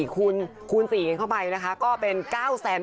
๒๔๐๐๐๐คูณ๔เข้าไปนะคะก็เป็น๙๐๖๐๐๐บาท